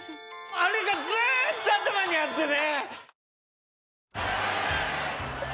あれがずーっと頭にあってね。